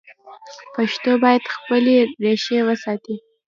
پښتو باید خپلې ریښې وساتي.